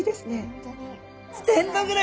本当に。